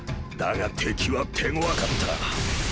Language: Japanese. だが敵は手ごわかった。